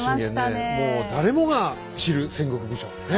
もう誰もが知る戦国武将ねえ。